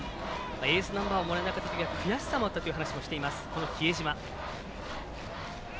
エースナンバーをもらえなかった時は悔しかったと話していました比江島。